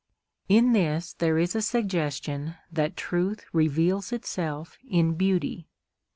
In this there is a suggestion that truth reveals itself in beauty.